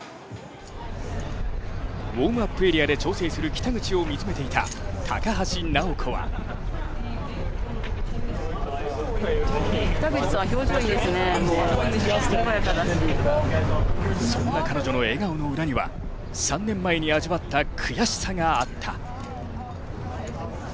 ウォームアップエリアで調整する北口を見つめていた高橋尚子はそんな彼女の笑顔の裏には３年前に味わった悔しさがあった。